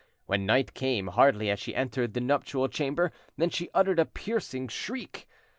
When night came, hardly had she entered the nuptial chamber than she uttered a piercing shriek.